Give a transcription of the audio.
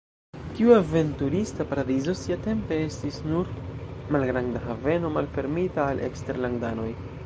Tiu aventurista paradizo siatempe estis nur malgranda haveno malfermita al eksterlandanoj.